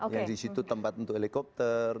yang disitu tempat untuk helikopter